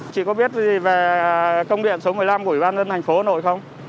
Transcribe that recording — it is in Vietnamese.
chị có biết gì về công điện số một mươi năm của ủy ban dân thành phố hà nội không